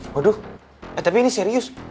waduh tapi ini serius